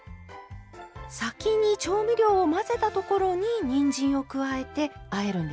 先に調味料を混ぜたところににんじんを加えてあえるんですね。